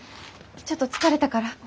ちょっと疲れたから。